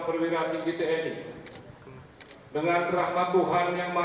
pengamatan sumpah jabatan